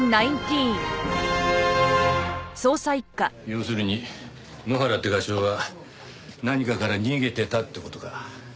要するに埜原って画商は何かから逃げてたって事か。